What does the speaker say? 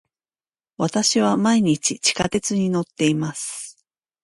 私は毎日地下鉄に乗っています。